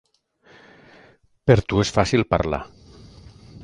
Per a tu és fàcil parlar.